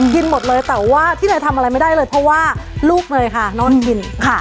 หมดเลยแต่ว่าที่เนยทำอะไรไม่ได้เลยเพราะว่าลูกเนยค่ะนอนกินค่ะ